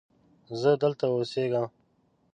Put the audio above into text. زه دلته اوسیږم